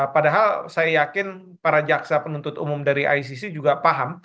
padahal saya yakin para jaksa penuntut umum dari icc juga paham